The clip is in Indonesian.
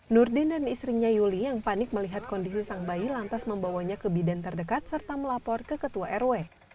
nurdin dan istrinya yuli yang panik melihat kondisi sang bayi lantas membawanya ke bidan terdekat serta melapor ke ketua rw